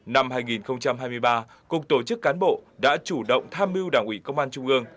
năm hai nghìn hai mươi ba cục tổ chức cán bộ đã chủ động tham mưu đảng ủy công an trung ương